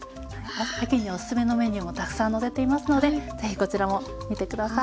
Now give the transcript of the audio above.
秋におすすめのメニューもたくさん載せていますので是非こちらも見て下さい。